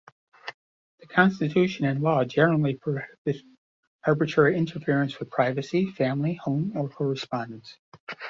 The constitution and law generally prohibit arbitrary interference with privacy, family, home, or correspondence.